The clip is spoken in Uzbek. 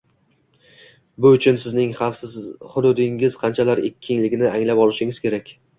Bu uchun sizning xavfsiz hudud’ingiz qanchalar kengligini anglab olishingiz kerak